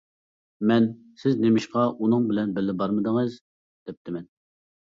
مەن: ‹ ‹سىز نېمىشقا ئۇنىڭ بىلەن بىللە بارمىدىڭىز› ›، دەپتىمەن!